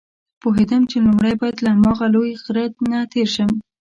پوهېدم چې لومړی باید له هماغه لوی غره نه تېر شم.